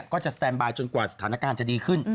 ก็จะสแตนบายจนกว่าสถานการณ์จะดีขึ้น